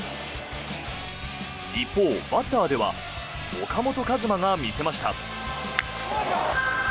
一方、バッターでは岡本和真が見せました。